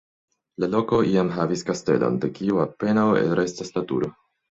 La loko, iam havis kastelon, de kiu apenaŭ restas la turo.